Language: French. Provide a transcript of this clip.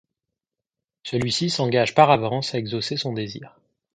Celui-ci s'engage par avance à exaucer son désir.